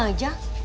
rumahnya biasa aja